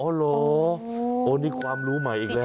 เหรอโอ้นี่ความรู้ใหม่อีกแล้ว